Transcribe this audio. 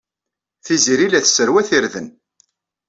Tiziri la tesserwat irden.